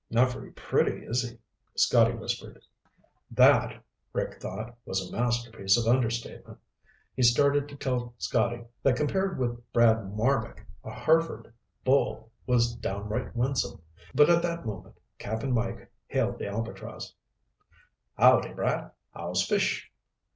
"Not very pretty, is he?" Scotty whispered. That, Rick thought, was a masterpiece of understatement. He started to tell Scotty that compared with Brad Marbek a Hereford bull was downright winsome, but at that moment Cap'n Mike hailed the Albatross. "Howdy, Brad. How's fish?"